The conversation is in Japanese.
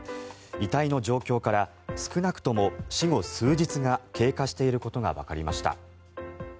遺体の状況から少なくとも死後数日が経過していることがわかりました。